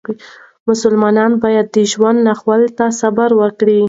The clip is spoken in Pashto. مسلمانان باید د ژوند ناخوالو ته صبر وکړي.